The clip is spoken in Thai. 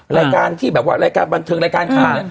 รายการที่บันทึงรายการข่าว